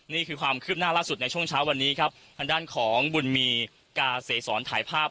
นี่คือความคืบหน้าล่าสุดในช่วงเช้าวันนี้ครับทางด้านของบุญมีกาเสสอนถ่ายภาพ